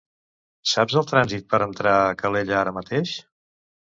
Saps el trànsit per entrar a Calella ara mateix?